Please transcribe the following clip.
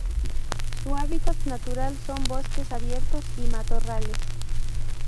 Su hábitat natural son bosques abiertos y matorrales.